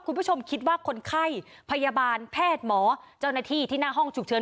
คุณผู้ชมคิดว่าคนไข้พยาบาลแพทย์หมอเจ้าหน้าที่ที่หน้าห้องฉุกเฉิน